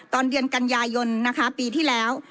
ตอนเดือนกันยายนนะคะปีที่แล้ว